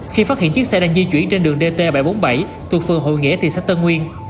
khi phát hiện chiếc xe đang di chuyển trên đường dt bảy trăm bốn mươi bảy thuộc phường hội nghĩa thị xã tân nguyên